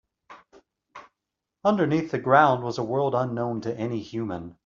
Underneath the ground was a world unknown to any human.